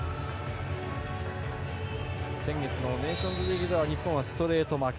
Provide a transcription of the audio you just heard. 先月のネーションズリーグでは日本はストレート負け。